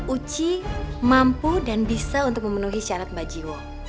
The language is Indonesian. uci mampu dan bisa untuk memenuhi syarat mbak jiwo